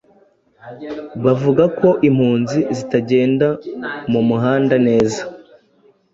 bavuga ko impunzi zitagenda mu muhanda neza